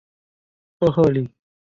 特赫里。